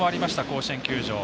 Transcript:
甲子園球場。